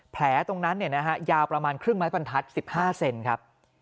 แผลตรงนั้นยาวประมาณครึ่งไม้บรรทัศน์๑๕เซนครับ